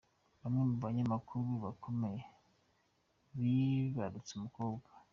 Bamwe mubanyamakuru bakomeye bibarutse umukobwa